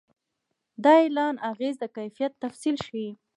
د اعلان اغېز د کیفیت تفصیل ښيي.